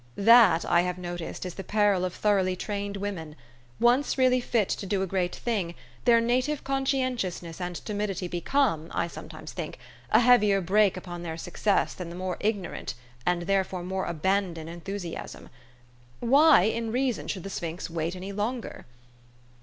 "That, I have noticed, is the peril of thoroughly trained women. Once really fit to do a great thing, their native conscientiousness and timidity become, I sometimes think, a heavier brake upon their success than the more ignorant, and therefore more abandoned enthusiasm. Why, in reason, should the sphinx wait any longer?